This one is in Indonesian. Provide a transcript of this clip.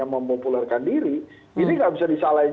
mempopulerkan diri ini nggak bisa disalahin